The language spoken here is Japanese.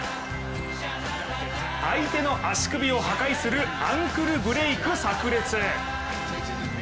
相手の足首を破壊するアンクルブレイクさく裂。